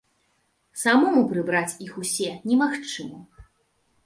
Самому прыбраць іх усе немагчыма.